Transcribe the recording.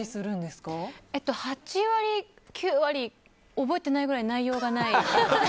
８割、９割覚えてないぐらい内容がない。